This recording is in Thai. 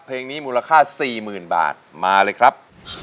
เพลงนี้มูลค่าสี่หมื่นบาทมาเลยครับ